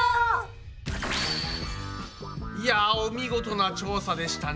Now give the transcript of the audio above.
いやお見事な調査でしたね！